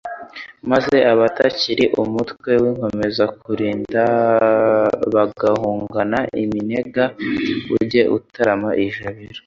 maze abatakili umutwe w'inkomezakulinda bagahungana iminega, ujye utarama ijabiro.